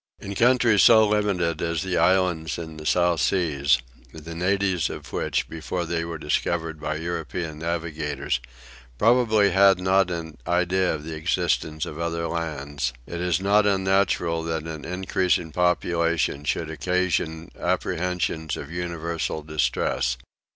In countries so limited as the islands in the South Seas, the natives of which, before they were discovered by European navigators, probably had not an idea of the existence of other lands, it is not unnatural that an increasing population should occasion apprehensions of universal distress.